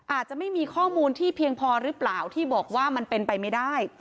อาจจะไม่มีข้อมูลที่เพียงพอหรือเปล่าที่บอกว่ามันเป็นไปไม่ได้